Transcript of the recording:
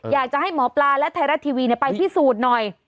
อยากจะให้หมอปลาและไทยรัฐทีวีไปพิสูจน์หน่อย